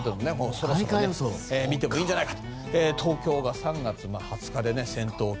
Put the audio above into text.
そろそろね、見てもいいんじゃないかと。